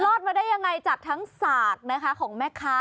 รอดมาได้ยังไงจากทั้งสากนะคะของแม่ค้า